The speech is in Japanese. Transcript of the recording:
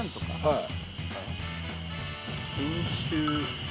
はい。